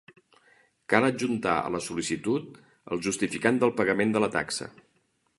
Cal adjuntar a la sol·licitud el justificant del pagament de la taxa.